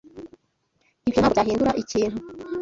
Ibyo ntabwo byahindura ikintu.